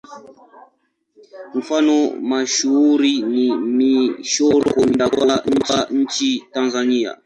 Mfano mashuhuri ni Michoro ya Kondoa nchini Tanzania.